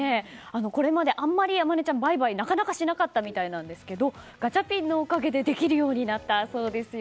これまであまり天希ちゃんはバイバイをなかなかしなかったみたいですがガチャピンのおかげでできるようになったようですよ。